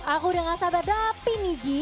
aku udah gak sabar dapi nih ji